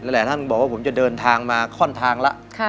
หลายท่านบอกว่าผมจะเดินทางมาค่อนทางแล้ว